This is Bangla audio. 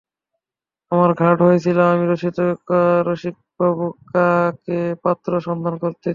আমার ঘাট হয়েছিল আমি রসিককাকাকে পাত্র সন্ধান করতে দিয়েছিলুম।